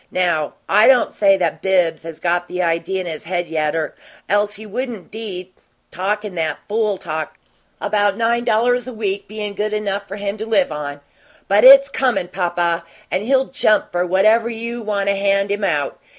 Now, I don't say that Bibbs has got the idea in his head yet 'r else he wouldn't be talkin' that fool talk about nine dollars a week bein' good enough for him to live on. But it's COMIN', papa, and he'll JUMP for whatever you want to hand him out.